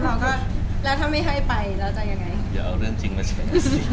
แล้วก็แล้วถ้าไม่ให้ไปเราจะอย่างไร